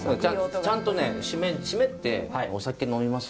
ちゃんとね〆〆ってお酒飲みます？